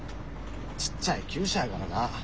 ちっちゃい厩舎やからな。